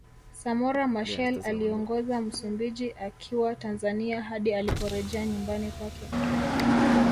Samora Machel aliongoza Msumbiji akiwa Tanzania hadi aliporejea nyumbani kwake